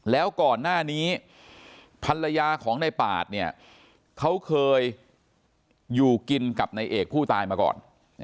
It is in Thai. แล้วก่อนหน้านี้ภรรยาของในปาดเนี่ยเขาเคยอยู่กินกับนายเอกผู้ตายมาก่อน